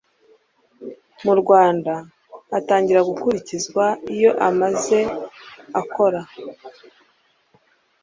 mu rwanda atangira gukurikizwa iyo amaze akora